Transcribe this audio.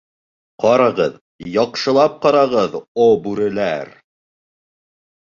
— Ҡарағыҙ, яҡшылап ҡарағыҙ, о бүреләр!